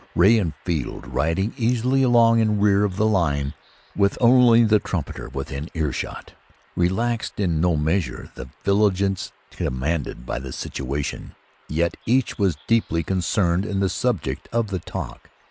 Ray and Field, riding easily along in rear of the line, with only the trumpeter within earshot, relaxed in no measure the vigilance demanded by the situation, yet each was deeply concerned in the subject of the talk.